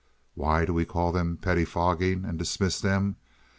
Why do we call them pettifogging and dismiss them?